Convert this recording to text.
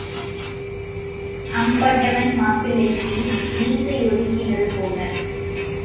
அம்பட்டன் மாப்பிள்ளைக்கு மீசை ஒதுக்கினது போல.